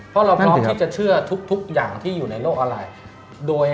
เพราะเค้านับนอกที่จะเชื่อทุกอย่างที่อยู่ในโลกอะไรโดย